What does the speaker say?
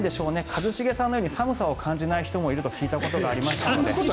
一茂さんのように寒さを感じない人もいると聞いたことがありますので。